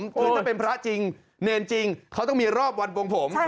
คือถ้าเป็นพระจริงเนรจริงเขาต้องมีรอบวันบวงผม